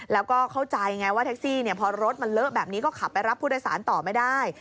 แล้วก็เข้าใจไงว่าแท็กซี่พอรถมันเลอะแบบนี้ก็ขับไปรับผู้โดยสารต่อไม่ได้